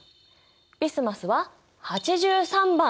ビスマスは８３番。